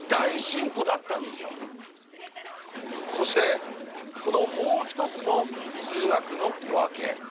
そしてこの「もう一つの数学の夜明け」。